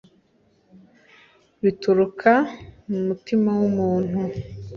bituruka mu mutima w'umuntu.